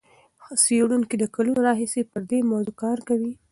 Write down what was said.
څېړونکي له کلونو راهیسې پر دې موضوع کار کوي.